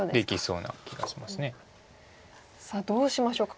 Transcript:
さあどうしましょうか。